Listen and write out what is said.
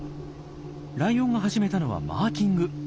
ライオンが始めたのはマーキング。